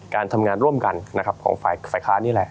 การทำงานร่วมกันของฝ่ายคลานนี่แหละ